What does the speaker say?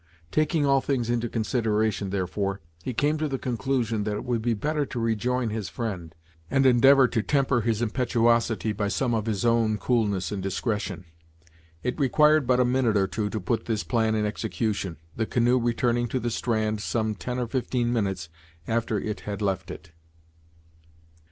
Taking all things into consideration, therefore, he came to the conclusion it would be better to rejoin his friend, and endeavour to temper his impetuosity by some of his own coolness and discretion. It required but a minute or two to put this plan in execution, the canoe returning to the strand some ten or fifteen minutes after it had left it.